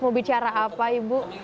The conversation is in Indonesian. mau bicara apa ibu